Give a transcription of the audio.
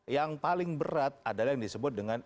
yang paling berat adalah yang disebut dengan